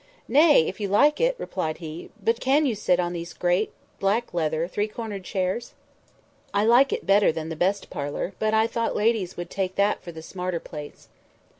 "Nay! if you like it," replied he; "but can you sit on these great, black leather, three cornered chairs? I like it better than the best parlour; but I thought ladies would take that for the smarter place."